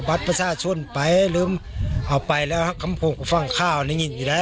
บัตรประชาชนไปหรือเอาไปแล้วคำพูกกับฟังข้าวอยู่ใด